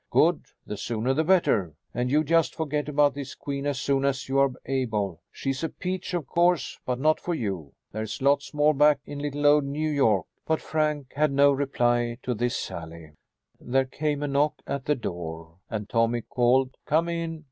"Good. The sooner the better. And you just forget about this queen as soon as you are able. She's a peach, of course, but not for you. There's lots more back in little old New York." But Frank had no reply to this sally. There came a knock at the door and Tommy called, "Come in."